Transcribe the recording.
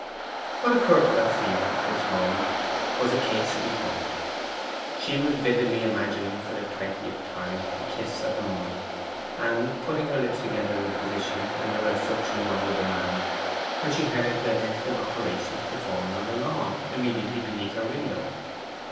What occurred to Elfride at this moment was a case in point. She was vividly imagining, for the twentieth time, the kiss of the morning, and putting her lips together in the position another such a one would demand, when she heard the identical operation performed on the lawn, immediately beneath her window.